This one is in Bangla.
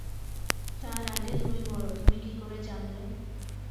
তার আগে তুমি বল, তুমি কী করে জানলে?